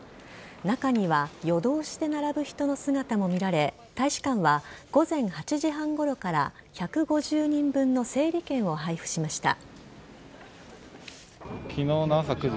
中には夜通しで並ぶ人の姿も見られ大使館は午前８時半ごろから１５０人分の整理券を配布しました。